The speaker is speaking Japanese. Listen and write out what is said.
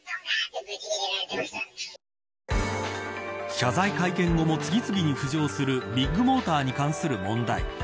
謝罪会見後も、次々に浮上するビッグモーターに関する問題。